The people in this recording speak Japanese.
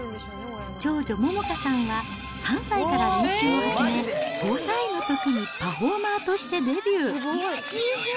長女、百花さんは３歳から練習を始め、５歳のときにパフォーマーとしてデビュー。